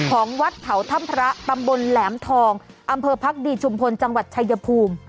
ของวัดเขาถ้ำพระตำบลแหลมทองอำเภอพักดีชุมพลจังหวัดชายภูมิ